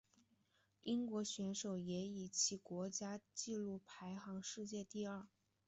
英国选手也以其国家纪录排名世界第二。